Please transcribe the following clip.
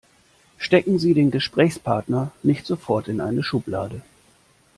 Stecken Sie den Gesprächspartner nicht sofort in eine Schublade.